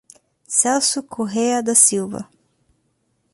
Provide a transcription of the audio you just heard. Celso Correa da Silva